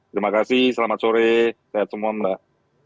terima kasih selamat sore sehat semua mbak